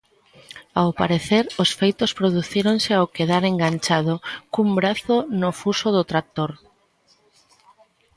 Ao parecer os feitos producíronse ao quedar enganchado cun brazo no fuso do tractor.